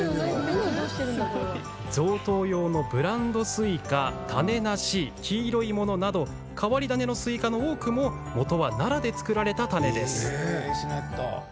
贈答用のブランドスイカ種なし、黄色いものなど変わり種のスイカの多くも元は奈良で作られた種です。